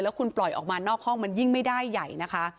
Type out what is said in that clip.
คุณปล่อยออกมานอกห้องมันยิ่งไม่ได้ใหญ่นะคะ